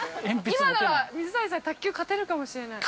◆今なら、水谷さんに卓球勝てるかもしれない。